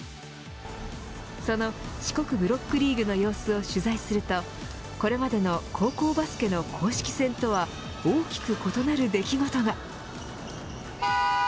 その四国ブロックリーグの様子を取材するとこれまでの高校バスケの公式戦とは大きく異なる出来事が。